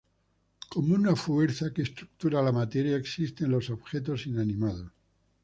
Como una fuerza que estructura la materia, existe en los objetos inanimados.